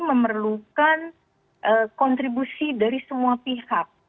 memerlukan kontribusi dari semua pihak